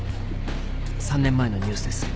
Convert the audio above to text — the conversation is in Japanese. ３年前のニュースです。